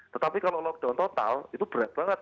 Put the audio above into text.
tetapi kalau lockdown total itu berat banget